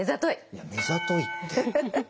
いや目ざといって。